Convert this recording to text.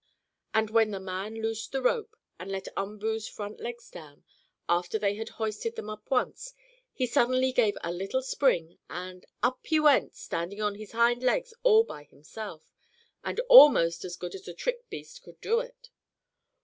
And when the man loosed the ropes, and let Umboo's front legs down, after they had hoisted them up once, he suddenly gave a little spring, and up he went, standing on his hind legs all by himself, and almost as good as the trick beast could do it.